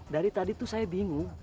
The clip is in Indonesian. dari tadi tuh saya bingung